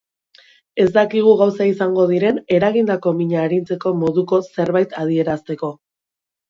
Ez dakigu gauza izango diren eragindako mina arintzeko moduko zerbait adierazteko.